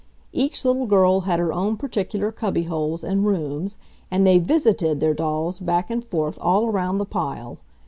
Each little girl had her own particular cubby holes and "rooms," and they "visited" their dolls back and forth all around the pile.